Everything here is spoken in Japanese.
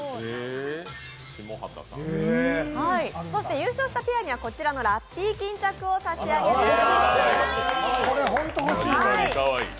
そして優勝したペアにはこちらのラッピー巾着をプレゼントします。